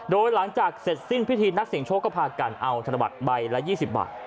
โดยหลังจากเสร็จสิ้นพิธีนักเสียงโชคก็พากันเอาธนบัตรใบละ๒๐บาท